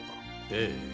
ええ。